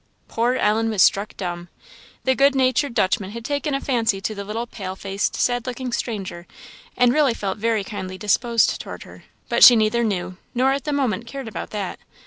Poor Ellen was struck dumb. The good natured Dutchman had taken a fancy to the little pale faced, sad looking stranger, and really felt very kindly disposed toward her, but she neither knew, nor at the moment cared about that.